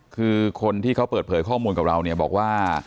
คือคนที่เขาเปิดเผยข้อมูลกับเราเนี่ยบอกว่า